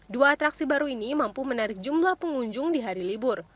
dua atraksi baru ini mampu menarik jumlah pengunjung di hari libur